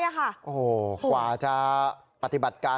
โอ้โหกว่าจะปฏิบัติการ